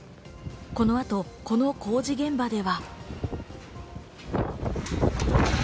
この後、この工事現場では。